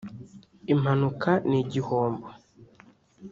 impanuka n’igihombo